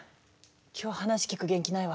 今日話聞く元気ないわ。